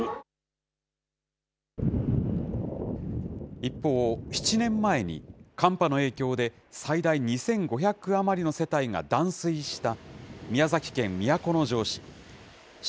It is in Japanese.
一方、７年前に寒波の影響で最大２５００余りの世帯が断水した宮崎県都城市。